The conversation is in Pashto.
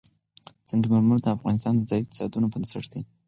سنگ مرمر د افغانستان د ځایي اقتصادونو بنسټ دی.